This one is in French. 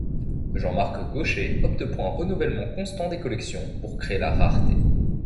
Jean-Marc Gaucher opte pour un renouvellement constant des collections pour créer la rareté.